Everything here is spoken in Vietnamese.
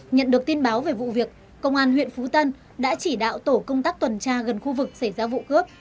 nhận được tin báo về vụ việc công an huyện phú tân đã chỉ đạo tổ công tác tuần tra gần khu vực xảy ra vụ cướp